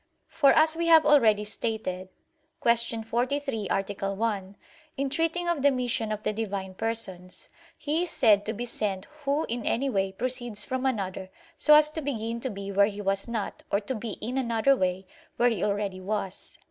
For, as we have already stated (Q. 43, A. 1), in treating of the mission of the Divine Persons, he is said to be sent who in any way proceeds from another so as to begin to be where he was not, or to be in another way, where he already was.